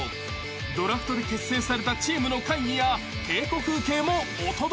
［ドラフトで結成されたチームの会議や稽古風景もお届けする］